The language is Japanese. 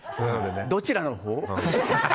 どちらのほう？